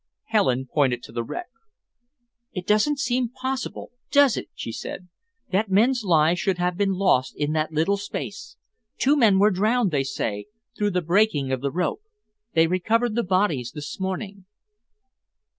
Helen pointed to the wreck. "It doesn't seem possible, does it," she said, "that men's lives should have been lost in that little space. Two men were drowned, they say, through the breaking of the rope. They recovered the bodies this morning."